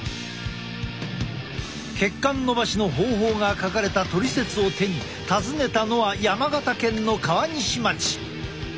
血管のばしの方法が書かれたトリセツを手に訪ねたのは山形県の川西町。